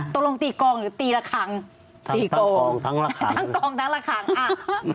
ต้องลงตีกองหรือตีละครั้งตีกองทั้งละครั้งทั้งละครั้งอ่ะอ่า